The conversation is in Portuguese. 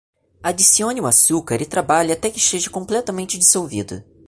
Adicione o açúcar e trabalhe até que esteja completamente dissolvido.